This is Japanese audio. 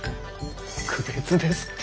特別ですって。